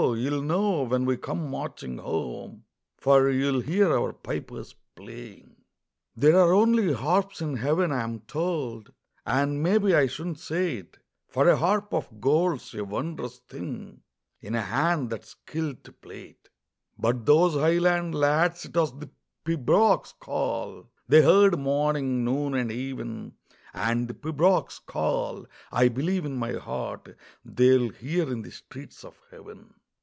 you'll know when we come marching home, For you'll hear our pipers playing." There are only harps in heaven, I'm told, And maybe I shouldn't say it, For a harp of gold's a wondrous thing In a hand that's skilled to play it. But those highland lads, 'twas the pibroch's call They heard morning, noon, and even, And the pibroch's call, I believe in my heart, They will hear in the streets of heaven.